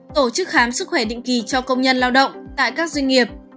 tổ chức khám sức khỏe định kỳ cho công nhân lao động tại các doanh nghiệp